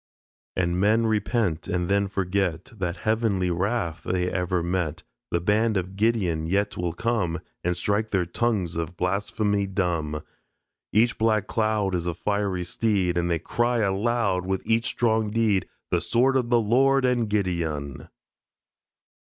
And men repent and then forget That heavenly wrath they ever met, The band of Gideon yet will come And strike their tongues of blasphemy dumb. Each black cloud Is a fiery steed. And they cry aloud With each strong deed, "The sword of the Lord and Gideon."